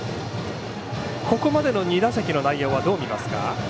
ここまでの２打席の内容はどう見ますか？